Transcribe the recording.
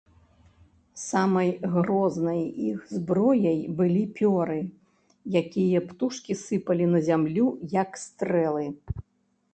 Самай грознай іх зброяй былі пёры, якія птушкі сыпалі на зямлю як стрэлы.